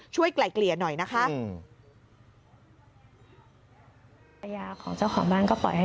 ไกล่เกลี่ยหน่อยนะคะ